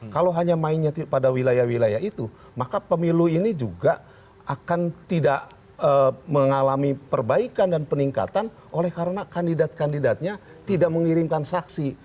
kalau hanya mainnya pada wilayah wilayah itu maka pemilu ini juga akan tidak mengalami perbaikan dan peningkatan oleh karena kandidat kandidatnya tidak mengirimkan saksi